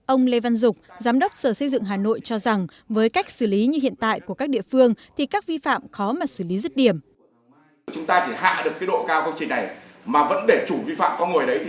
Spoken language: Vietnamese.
ông lê văn huyền đại biểu của hội đồng nhân tp hà nội diễn ra sáng nay